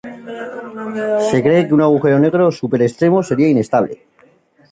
Se cree que un agujero negro super extremo sería inestable.